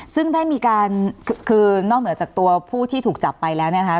ซึ่งได้มีการคือนอกเหนือจากตัวผู้ที่ถูกจับไปแล้วเนี่ยนะคะ